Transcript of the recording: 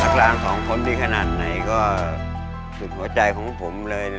กลางสองคนนี้ขนาดไหนก็สุดหัวใจของผมเลย